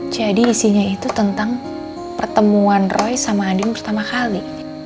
jadi isinya itu tentang pertemuan roy sama andin pertama kali